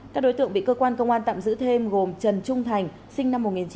các đối tượng bị cơ quan công an tạm giữ thêm gồm trần trung thành sinh năm một nghìn chín trăm tám mươi